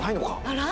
あら？